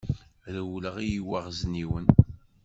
Rewleɣ i yiwaɣezniwen.